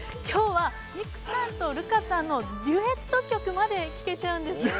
きょうはミクさんとルカさんのデュエット曲まで聴けちゃうんです。